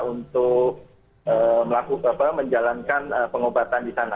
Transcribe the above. untuk menjalankan pengobatan di sana